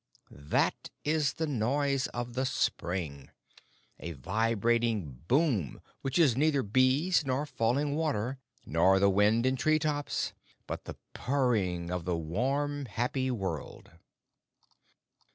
That is the noise of the spring a vibrating boom which is neither bees, nor falling water, nor the wind in tree tops, but the purring of the warm, happy world.